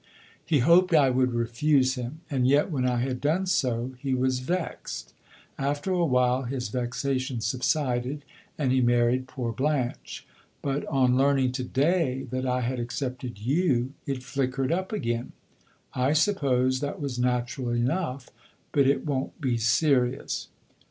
He hoped I would refuse him, and yet when I had done so he was vexed. After a while his vexation subsided, and he married poor Blanche; but, on learning to day that I had accepted you, it flickered up again. I suppose that was natural enough; but it won't be serious."